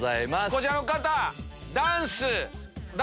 こちらの方。